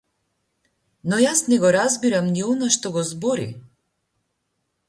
Но јас не го разбирам ни она што го збори!